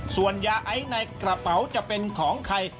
ส่วนยาไอในกระเป๋าจะเป็นของใคร